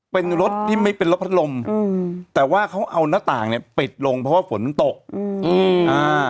เป็นรถที่ไม่เป็นรถพัดลมอืมแต่ว่าเขาเอาหน้าต่างเนี้ยปิดลงเพราะว่าฝนตกอืมอืมอ่า